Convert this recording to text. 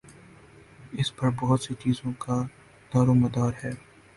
اس پر بہت سی چیزوں کا دارومدار ہے۔